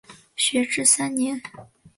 学制三年。